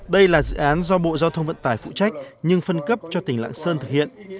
đây là dự án do bộ giao thông vận tải phụ trách nhưng phân cấp cho tỉnh lạng sơn thực hiện